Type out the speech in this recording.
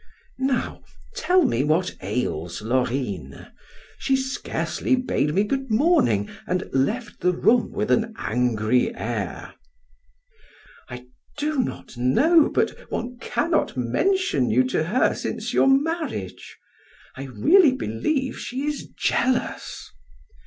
Now, tell me what ails Laurine; she scarcely bade me good morning and left the room with an angry air." "I do not know, but one cannot mention you to her since your marriage; I really believe she is jealous."